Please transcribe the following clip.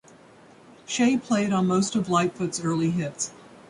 Shea played on most of Lightfoot's early hits.